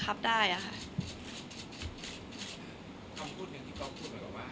คนเราถ้าใช้ชีวิตมาจนถึงอายุขนาดนี้แล้วค่ะ